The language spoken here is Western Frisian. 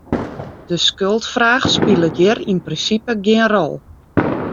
De skuldfraach spilet hjir yn prinsipe gjin rol.